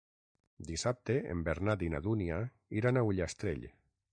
Dissabte en Bernat i na Dúnia iran a Ullastrell.